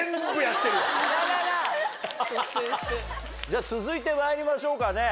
じゃ続いてまいりましょうかね。